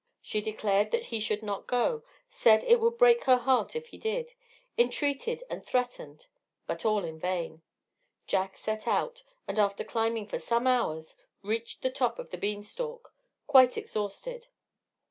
She declared he should not go; said it would break her heart if he did entreated and threatened, but all in vain. Jack set out, and after climbing for some hours, reached the top of the bean stalk, quite exhausted.